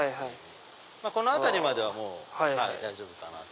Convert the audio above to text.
この辺りまでは大丈夫かなと。